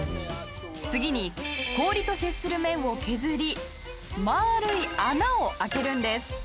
次に氷と接する面を削り丸い穴を開けるんです。